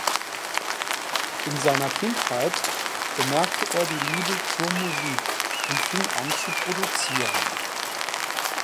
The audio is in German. In seiner Kindheit bemerkte er die Liebe zur Musik und fing an zu Produzieren.